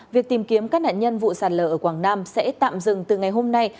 việc tìm kiếm các nạn nhân vụ sạt lở ở quảng nam sẽ tạm dừng từ ngày hôm nay